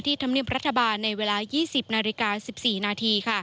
ธรรมเนียมรัฐบาลในเวลา๒๐นาฬิกา๑๔นาที